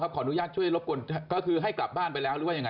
มาลับแจ้งเรื่องไกลเข้าหามาโดยตัวเอง